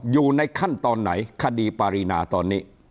อยู่ในขั้นตอนไหนคดีปารีนาตอนนี้